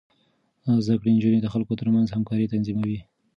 زده کړې نجونې د خلکو ترمنځ همکاري تنظيموي.